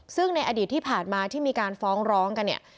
ซึ่งในอดีตที่ผ่านมาที่มีการฟ้องร้องกันเนี่ย